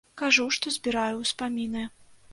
Кажу, што збіраю ўспаміны.